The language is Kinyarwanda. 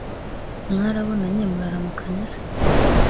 mwarabonanye muraramukanya se?"